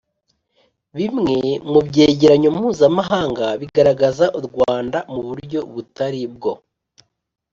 Bimwe mu byegeranyo mpuzamahanga bigaragaza u rwanda mu buryo butari bwo